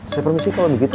saya permisi kalau begitu